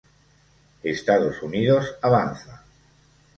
Estados Unidos avanza.